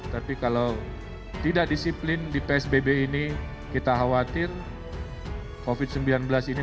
tapi kalau tidak disiplin di psbb ini kita khawatir covid sembilan belas ini